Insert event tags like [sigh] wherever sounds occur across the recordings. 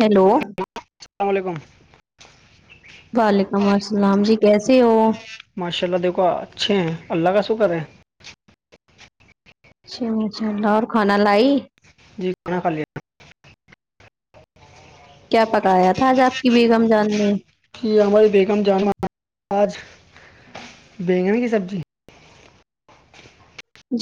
Hello السلام علیکم وعلیکم السلام جی کیسے ہو ماشاء اللہ دیکھو اچھے ہیں اللہ کا شکر ہے اچھا ماشاء اللہ اور کھانا لائی جی کونا ک ل کیا پکایا تھا آج آپ کی بیگم جان نے جی ہماری بیگم جان آج بیگن کی سبزی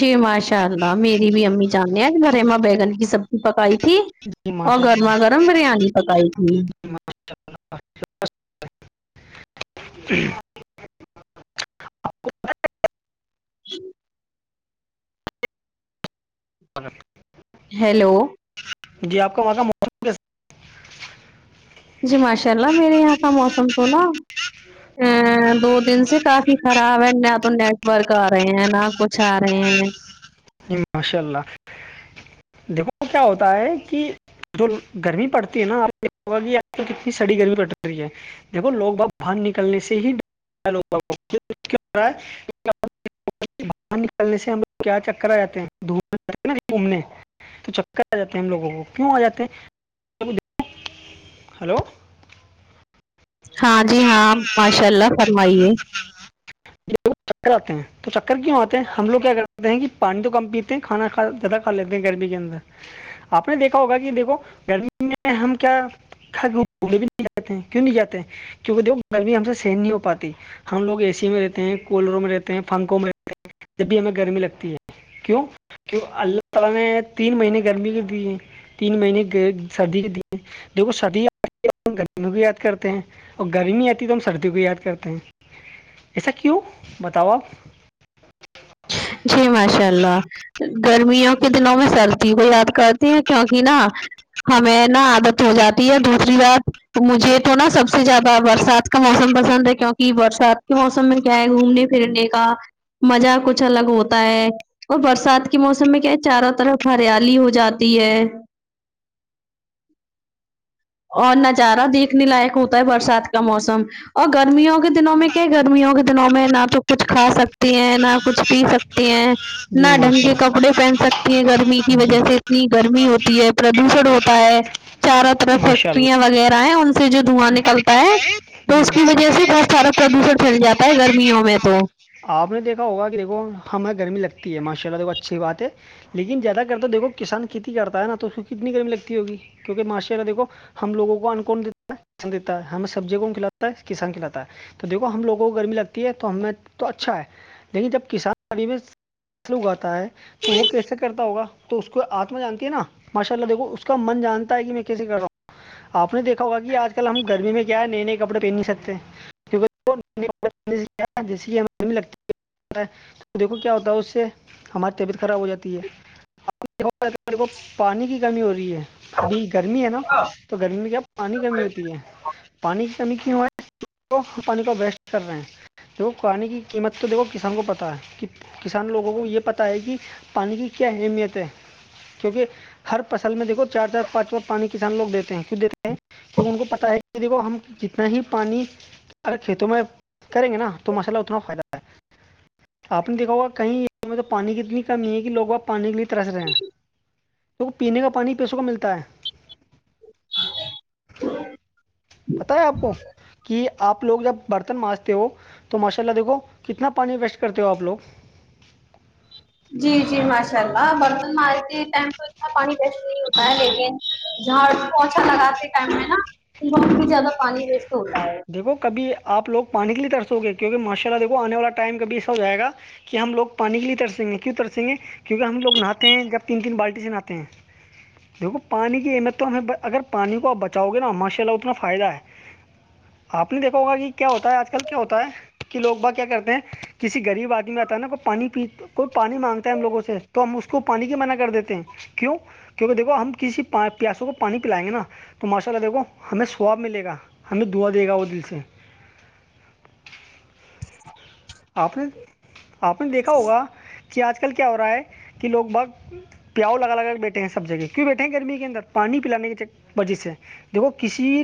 جی ماشاء اللہ میری بھی امی جاننے ہیں گھر میں بیگن کی سبزی پکائی تھی جی اور ماشاء گرما اللہ گرم بریانی پکائی تھی ماشاء جی [unintelligible] ہیلو جی آپ کا مانا موسم کیسے جی ماشاء اللہ میرے یہاں کا موسم تھو نا ا دو دن سے کافی خراب ہے نہ تو نیٹ ورک آ رہے ہیں نہ کچھ آ رہے ہیں جی ماشاء اللہ دیکھو کیا ہوتا ہے کہ جو گرمی پڑتی ہے نا آپا آج کتنی سڑی گرمی پڑتیی ہے دیکو لوگ ب باہر نکلنے سے ہی ا باہر نکلنے سےو کیا آ جاتے ہیں دورا گھومنے تو چکر آ جاتے ہیں ہم لوگوں کو کیوں آ جاتے ہیں ہلو ہاں جی ہاں ہلو ماشاء اللہ فرمائیے چر آتے ہیں تو چکر کیوں آتے ہیں ہم لوگ کیا کرتے ہیں کہ پانی تو کم پیتے ہیں کھانا کھا زیادہ کھا لیتے ہیں گرمی کے اندر آپ نے دیکھا ہوگا کہ دیکھو گرمی میں ہم کیا کھ گھوڑے بھی نہیں جاتے ہیں کیوں نہیں جاتے کیونکہ دیکھو گرمی ہم سے سحن نہیں ہو پاتی ہم لوگ اے سی میں رہتے ہیں کولروں میں رہتے ہیں پنکوں میں رہتے ہیں جب بھی ہمیں گرمی لگتی ہے کیوں کی اللہ تعا لا نے تین مہینے گرمی کر دی ہے تین مہینے سردی کے دیکھو سردی گرمیوں کو یاد کرتے ہیں اور گرمی آتی ہے تو ہم سردیوں کو یاد کرتے ہیں ایسا کیوں بتاؤ آپ جی ماشاء اللہ گرمیوں کے دنوں میں سردی کو یاد کر کیک نا ہمیں نا عادت ہو جاتی ہے دوسری بات مجھے تو نا سب سے زیادہ برسات کا موسم پسند ہے کیونکہ بر سرد کے موسم میں کیا ہے گھومنے پھرنے کا مزہ کچھ الگ ہوتا ہے اور برسات کے موسم میں کیا ہے چاروں طرف ہریالی ہو جاتی ہے اور نظارہ دیکھنے لائق ہوتا ہے برسات کا موسم اور گرمیوں کے دنوں میں کیا گرمیوں کے دنوں میں نہ تو کچھ کھا سکتے ستی ہیں نہ کچھ پی سکتی ہیں جی نہ ڈھنگ ماشاء کے اللہ کپڑے پہن سکتی ہیں گرمی کی جی وجہ سے اتنی گرمی ہوتی ہے پردوشن ہوتا ہے چاروں طرف ماشاء اللہ فیکٹریاں وغیرہ ہیں ان سے جو دھواں نکلتا ہے تو اس کی وجہ سے بہت سارا پردوشن پھیل جاتا ہے گرمیوں میں تو آپ نے دیکھا ہوگا کہ دیکھو ہمیں گرمی لگتی ہے ماشاء اللہ دیکھ اچھی بات ہے لیکن زیادہ کرتا تو دیکو کسان کھیتی کرتا ہے نا تو اس کو کتنی گرمی لگتی ہوگی کیونکہ ماشاءلہ دھو ہم لگوں کو ان کون دیتا ہے دیتا ہے ہم سبی کو کھلاتا ہے کسان کھلاتا ہے تو دھو ہم لووں کو گرمی لگتی ہے تو ہمیں تو اچھا ہے لیکن جب کسان ابھی میںص اگاتا ہے تو وہ کیسے کرتا ہوگا تو اس کو آتما جانتی ہے نا ماشاء اللہ دیکو اس کا من جانتا ہے کہ میں کیسے کر رہا ہوں آپ نے دیکھا ہوگ کہ آج کل ہم گرمی میں کیا نئے نئے کپڑے پہن نہیں سکتے ہیں کی جیس کہ ہم لگتی ہے دیکھو کیا ہوتا ہے اس سے ہماری طبیعت خراب ہو جاتی ہے آپ د میرے کو پانی کی کمی ہو رہی ہے ابھی گرمی ہے نا تو گرمی میں کیا پانی گرمی ہوتی ہے پانی کی کمی کیوں ہو ہے وہ پانی کو وسٹ کر رہے ہیں دیکھو پانی کی قیمت تو دیکھو کسان کو پتا ہے کسان لوگوں کو یہ پتا ہے کہ پانی کی کیا اہمیت ہے کیونکہ ہر فصل میں دیکھو چار چار پانچ و پانی کسان لوگ دیتے ہیں کیوں دیتے ہیں کیونکہ ان کو پت ہے کہ دیکھو ہم جتنا ہی پانی ارے کھیتوں میں کریں گے نا تو مساللہ اتنا فائدہ ہے آپ نے دیکھا ہوگا کہیں میں تو پانی کی اتنی کمی ہے کہ لوگ آپ پانی کے لیے ترس رہے ہیں کیونکہ پینے کا پانی پیسوں کو ملتا ہے [unintelligible] پت ہے آپ کو کہ آپ لوگ جب برتن مانجتے ہو تو ماشاء اللہ دیکو کتنا پانی ویسٹ کرتے ہو آپ لوگ جی جی ماشاء اللہ برتن مار کے ٹائم تو اتنا پانی ویسے نہیں ہوتا ہے لیکن جاڑ پوچھا لگاتے ٹائم میں نا بہت بھی زیادہ پانی ویسٹ ہوتا ہے دیکو کبھی آپ لوگ پانی کے لیےرسو گے کیونکہ ماشاء اللہ دیکھو آنے والا ٹائم کبھی ای سا ہوائے گا کہ ہم لوگ پانی کے لیے ترسیں گے کیوں ترسیں گے کیونکہ ہم لوگ نہاتے ہیں جب تین تین بالٹی سے نہاتے ہیں دیکھو پانی کی اہمیت تو ہمیں اگر پانی کو آپ بچاؤ گے نا ماشاء اللہ اتنا فائدہ ہے آپ نہیں دیکھوگا کہ کیا ہوتا ہے آج کل کیا ہوتا ہے کہ لوگ با کیا کرتے ہیں کسی گغریب آدمی آتا ہے نا وہ پانی پی کوئی پانی مانگتا ہے ہم لوگوں سے تو ہم اس کو پانی کی منع کر دیتے ہیں کیوں کیونکہ دیکھو ہم کسی پیاسوں کو پانی پلائیں گے نا تو ماشاء اللہ دیکھو ہمیں سواب ملے گا ہمیں دھوا دے گا وہ دل سے آپ نے آپ نے دیکھا ہوگا کہ آج کل کیا ہو رہا ہے کہ لوگ باگ پیاؤ لگا لگا کے بیٹھے ہیں سب جگہ کیوں بیٹھے ہیں گرمی کے اندر پانی پلانے کی وجہ سے دیکھو کسی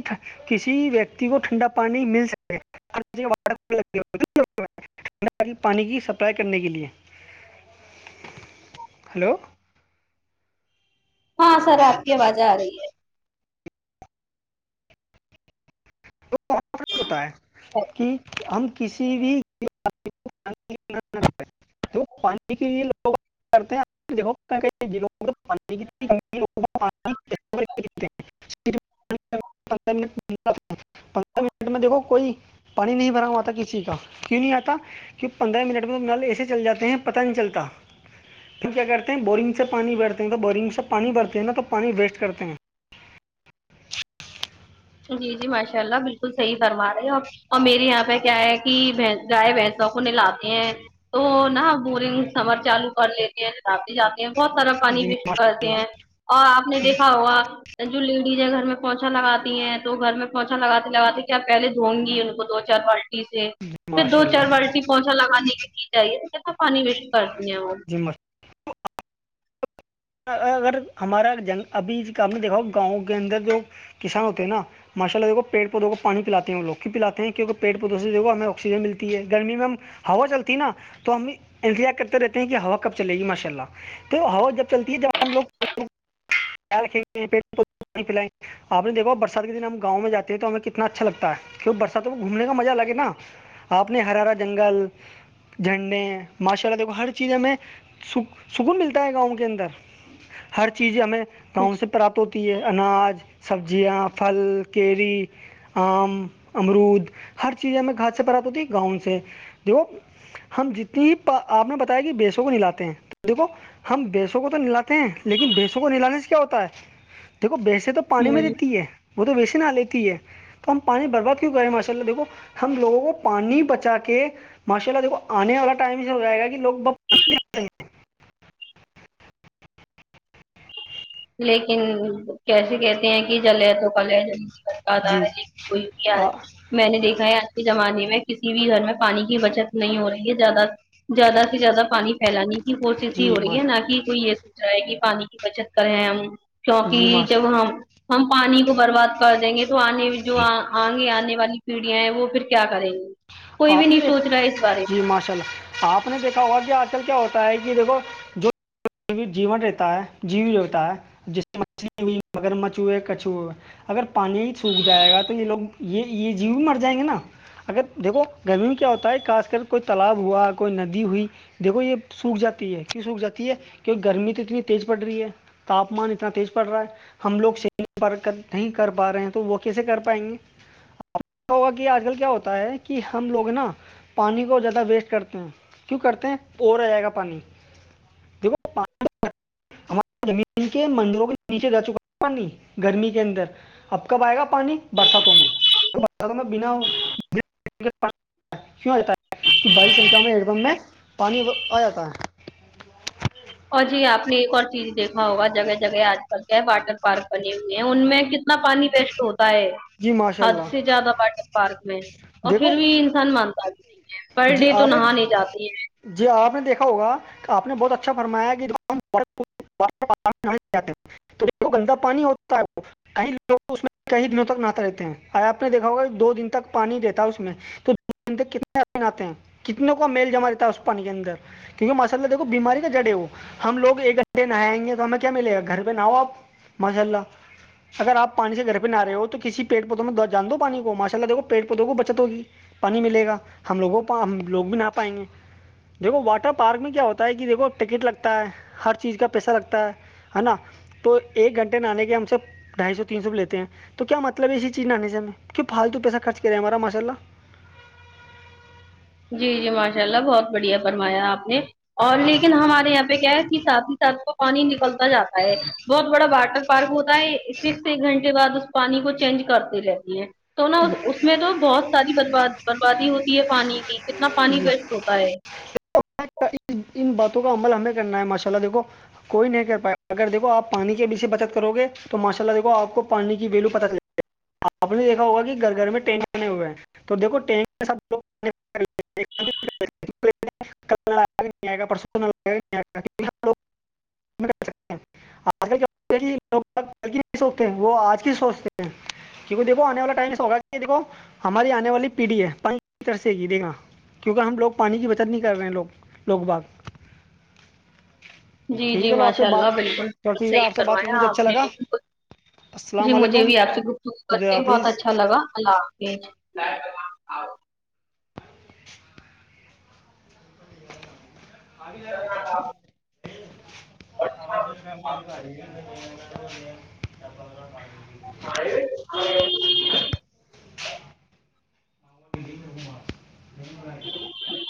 کسی ویکتی کو ٹھنڈا پانی مل سکے و ل پانی کی سپلائی کرنے کے لیے ہلو ہاں سر آپ کی آوازیں آ رہی ہے تو ہوتا ہے کہ ہم کسی بھی تو پانی کے لوگ کرتے ہیں دیکھو [inaudible] ندرہ م پندرہ منٹ میں دیکھو کوئی پانی نہیں بھرا ہوا تھا کسی کا کیوں نہیں آتا کی پندرہ منٹ میں تناال ایسے چل جے ہیں پتا نہیں چلتا ہم کیا کرتے ہیں بورنگ سے پانی بھرتے ہیں تو بورنگ سے پانی بھرتے ہیں نا تو پانی ویسٹ کرتے ہیں جی جی ماشاء اللہ بالکل صحیح فرما رہے ہو آپ اور میرری یہاں پہ کیا ہے کہ گائے بھینسوں کو نہلاتے ہیں تو نہا بورنگ سمر چالو کر لیتے ہیں جتاب بھی جاتے ہیں بہت سارا پانی جی بھی ماشاء کرتے اللہ ہیں اور آپ نے دیکھا ہوا جو لیڈیز ہے گھر میں پہنچا لگاتا ہیں تو گھر میں پوچا لگاتے لگاتے کہ آپ پہے دھوں گی ان کو دو چار بالٹی سے جی پھر دو ماشاء اللہ چار بالٹی پوچا لگانے کے لیے جاہے تو جسنا پانی ویسٹ کرتی ہے وہ جی ماشاء اللہ. اگر ہمارا جنگ ابھی ہم دیکھاؤ گاؤں کے اندر جو کسان ہوتے ہیں نا ماشا اللہ دھو پیڑ پودوں کو پانی پلے ہیں وہ لوگ بھی پلاتے کیونک پیڑ پودوں سے جو ہمیں آکسیجن ملتی گرمی میں ہم ہوا چلتی نا تو ہم انتظار کرتے رہتے ہیں کہ ہوا کب چلے گی ماشاء اللہ تو ہوا جب چلتی ہے جباں ہم لوگ ھی پ پائ آپ نے دیکوا برسات کے دن ہم گاؤں جاتے ہیں تو ہمیں کتنا اچھا لگتا ہے کی برسات میں کو گھومنے کا مزہ الگےا آپ نے ہر ہرا جنگل جھنڈے ماشاء اللہ دیکھو ہر چیز ہمیں سک سکون ملتا ہے گاؤں کے اندر ہر چیزیں ہمیں گاؤں سے پراپت ہوتی ہے اناج سبزیاں پھل کیری آم امرود ہر چیزیںیں گھاس سے پرات ہوتیھی گاؤں سے دیکھو ہم جتنی آپ نے بتایا کہ بیسوں کو نلاتے ہیں دیکھو ہم بیسوں کو تو ناتے ہیں لیکن بیسوں کو نلانے سے ہوتا ہے دیکھو بییسے تو پانی میں دیتی ہے وہ تو ویس نہ لیتی ہے تو ہم پانی برباد کیوں کریں ماشاء اللہ دیکھو ہم لوگوں کو پانی بچا کے ماشاء اللہ دیکو آنے والا ٹائم اس ہو جائے گا کہ لوگ لیکن کیسے کہتے ہیں کہ جلے تو پل ج آ رہا جی ہے کوئی بھی آ میں نے دیکھا ہے آج کے زمانے میں کسی بھی گھر میں پانی کی بچت نہیں ہو رہی ہے زیادہ زیادہ سے زیادہ پانی پھیلانی کوشش ہی جی ہو رہی ما... ہے نہ کہ کوئی یہ سوچ رہا ہے کہ پانی کی بچت کر رہے ہم جی کیونکہ ماش جب ہم ہم پانی کو برباد کر دیں گے تو آنے جو آئ گے آنے والی پیڑھیاں ہیں وہ پھر کیا کریں گی کوئی بھی آپ نے نہیں دیکھ سوچ رہا اس بارے میں جی ماشاء اللہ آپ نے دیکھا ہوا کہ آج کل کیا ہوتا ہے کہ دیکھو جو جیون رہتا ہے جیو جتا ہے جیس سے مچھلی ہوئی مگر مچ ہوئے کچھ ہوئے اگر پانی ہی سوکھ جائے گا تو یہ لوگ یہ یہ جیو بھی مر جائیں گے نا اگر دیکھو گرمی میں کیا ہوتا ہے خاص کر کوئی تالاب ہوا کوئی ندی ہوئی دیکھو یہ سوکھ جاتی ہے کیوں سوکھ جاتی ہے کیکہ گرمی تو اتنی تیز پڑ رہی ہے تاپمان اتنا تیز پڑ رہا ہے ہم لوگ سرک نہیں کر پا رہے ہیں تو وہ کیسے کر پائیں گے آ کہ ہوا کہ آج کل کیا ہوتا ہے کہ ہم لوگ نا پانی کو زیادہ ویسٹ کرتے ہیں کیوں کرتے ہیں او رہ جائے گا پانی ہمار زمین کے مندروں کے نیچے جا چکا ہے پانی گرمی کے اندر اب کب آئے گا پانی برساتوں میں برساتوں میں بنا کیوں ہو جتا ہے کہ بھاری سکھیا میں ہیڈ پمپ میں پانی آ جاتا ہے اور جی آپ نے ایک اور چیز دیکھا ہوگا جگہ جگہ آج کل کے واٹر پارک بنے ہوئے ہیں ان میں ک اتنا پانی بیسٹ ہوتا ہے جی ماشاء حد سے اللہ زیادہ واٹر پارک میں ہے اور دیکھو پھر بھی انسان منتا بھی پر جی ڈے تو آپ نے نہا نہیں جاتی ہے جی آپ نے دیکھا ہوگا کہ آپ نے بہت اچھا فرمایا کہ تو گندا پانی ہوتا ہے کئی لوگ اس میں کئی دنوں تک نہات رہتے ہیں آ آپ نے دیکھا ہوگا کہ دو دن تک پانی رہتا ہے اس میں تو کتنے آتے ہیں کتنے کو میل جما دیتا ہے اس پانی کے اندر کیونکہ ماشا اللہ دھو بیماری کا جڑے ہو ہم لوگ ایک گھنٹے نہائیں گے تو ہمیں کیا ملے گا گھر پہ نہؤ آپ مذلہ اگر آپ پانی سے گھر پہ نہ رہ ہو تو کسی پڑ پودوں جان دو پانی کو ماشاء اللہ دیکو پیڑ پودوں کو بچت ہوگی پانی ملے گا ہم لوگوں ہم لوگ بھی نہ پائیں گے دیکھو واٹر پارک میں کیا ہوتا ہے کہ دیکھو ٹکٹ لگتا ہے ہر چیز کا پیسہ لگتا ہے نا تو ایک گھنٹے نہ آنے کے ہم سب ڈھائی سو تین سو بھی لیتے ہیں تو کیا مطلب ہے اسی چیز نہانے سے ہم کیوں پالتو پیسہ خرچ کرے ہمارا ماشء اللہ جی جی ماشاء اللہ بہت بڑھیا فرمایا آپ نے اور لیکن ہمارے یہاں پہ کیا ہے کہ سھ ہی ساتھ وہ پانی نکلتا جاتا ہے بہت بڑا باٹر فرق ہوتا ہے پھر سے ایک گھنٹے بعد اس پانی کو چینج کرتے رہتی ہیں تو نا اس میں تو بہت ساری برباد بربادی ہوتی ہے پانی کی کتنا پانی وسٹ ہوتا ہے ج ان باتوں کا عمل ہمیں کرنا ہے ماشاء اللہ دیکھو کوئی نہیں کر پائے اگر دیکھ آپ پانی کے بھی سے بچت کرو گے تو ماشاء اللہ دیکھ آپ کو پانی کی ویلو پت چل جائے گا آپ نے دیکھا ہوگا گھر گھر میں ٹرین بنے ہوئے ہیں تو دیکھو ٹن کے ساتھ گااو آپ لوگ کل کی نہیں سوچتے وہ آج کی سوچتے ہیں کیونکہ دیکھو آنے والا ٹائم سے ہوگا کہ دیکھو ہماری آنے والی پیڑھی ہے پانی کس طرح سے گ دیکھا کیونکہ ہم لوگ پانی کی بچت نہیں کر رہے ہیں لوگ لوگ باغ ھم جی ٹھیک ہے جی چلو آپ سے ماشاء اللہ بات بالکل چلو بالکل ٹھیک ہے صحیح آپ سے بات کر کے کروایا مجھے آپ اچھا نے لگا لے جی السلام مجھے علیکم بھی آپ سے گپ ش کر خدا کے بہت حافظ اچھا لگا اللہ حافظ م جائے جب ا سہی ہاں